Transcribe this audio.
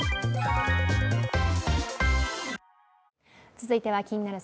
続いては「気になる！